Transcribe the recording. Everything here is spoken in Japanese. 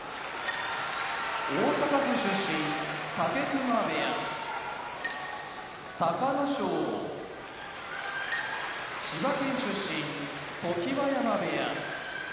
大阪府出身武隈部屋隆の勝千葉県出身常盤山部屋